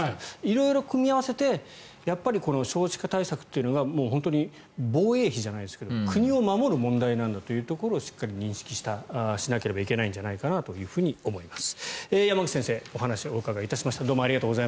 色々、組み合わせてやっぱりこの少子化対策というのが本当に防衛費じゃないですけど国を守る問題なんだというところをしっかり認識しなければいけないんじゃないかなと思います。